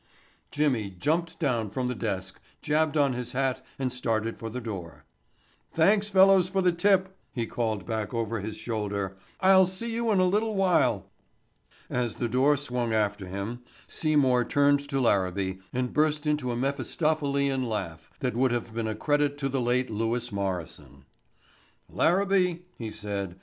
Jimmy jumped down from the desk, jabbed on his hat and started for the door. "Thanks, fellows, for the tip," he called back over his shoulder. "I'll see you in a little while." As the door swung after him Seymour turned to Larabee and burst into a Mephistophelian laugh that would have been a credit to the late Lewis Morrison. "Larabee," he said.